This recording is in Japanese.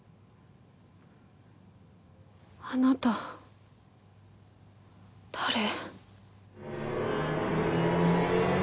あなた誰？